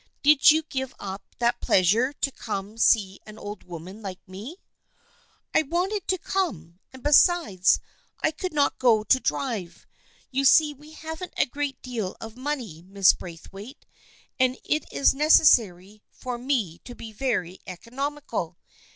Did you give up that pleasure to come see an old woman like me ?"" I wanted to come, and besides I could not go to drive. You see we haven't a great deal of money, Mrs. Braithwaite, and it is necessary for me to be very economical.